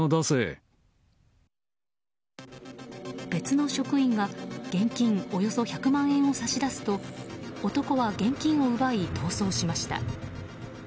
別の職員が現金およそ１００万円を差し出すと男は現金を奪い、逃走しました。